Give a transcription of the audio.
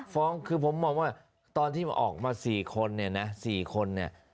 ฟ้องคือผมมองว่าตอนที่ออกมา๔คนเนี่ยนะ๔คนเนี่ย